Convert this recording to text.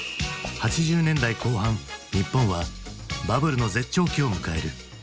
８０年代後半日本はバブルの絶頂期を迎える。